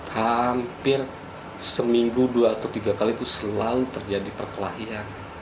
hampir seminggu dua atau tiga kali itu selalu terjadi perkelahian